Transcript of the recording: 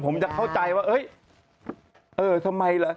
ผมจะเข้าใจว่าเอ๊ยเออทำไมล่ะ